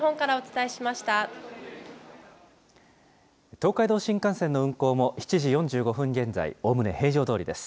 東海道新幹線の運行も７時４５分現在、おおむね平常どおりです。